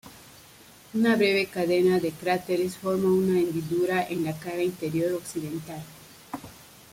Una breve cadena de cráteres forma una hendidura en la cara interior occidental.